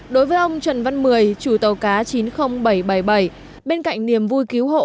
đối với ông trần văn mười chủ tàu cá chín mươi nghìn bảy trăm bảy mươi bảy bên cạnh niềm vui cứu hộ